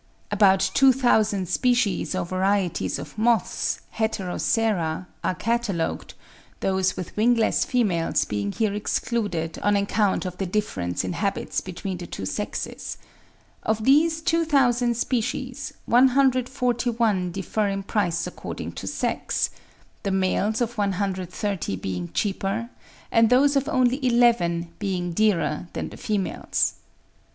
About 2000 species or varieties of moths (Heterocera) are catalogued, those with wingless females being here excluded on account of the difference in habits between the two sexes: of these 2000 species, 141 differ in price according to sex, the males of 130 being cheaper, and those of only 11 being dearer than the females.